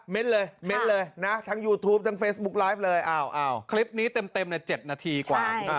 เลยเม้นเลยนะทั้งยูทูปทั้งเฟซบุ๊กไลฟ์เลยคลิปนี้เต็ม๗นาทีกว่า